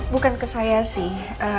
bukan ke saya sih